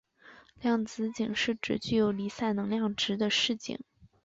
量子阱是指具有离散能量值的势阱。